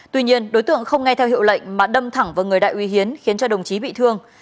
tuy nhiên đối tượng không nghe theo hiệu lệnh mà đâm thẳng vào người đại úy hiến khiến cho đồng chí bị thương